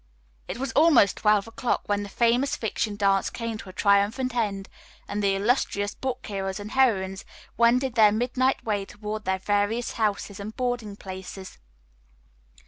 It was almost twelve o'clock when the Famous Fiction dance came to a triumphant end, and the illustrious book heroes and heroines wended their midnight way toward their various houses and boarding places.